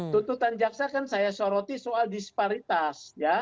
tuntutan jaksa kan saya soroti soal disparitas